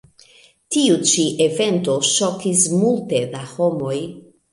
Tiu ĉi evento ŝokis multe da homoj.